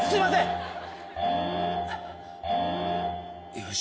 よし。